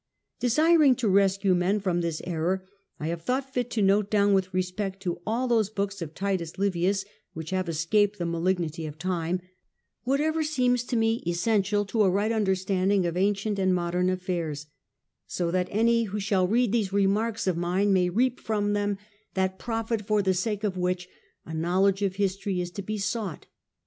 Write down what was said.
Desiring to rescue men from this error, I have thought fit to note down with respect to all those books of Titus Livius which have escaped the malignity of Time, whatever seems to me essential to a right understanding of ancient and modern affairs; so that any who shall read these remarks of mine, may reap from them that profit for the sake of which a knowledge of History is to be sought.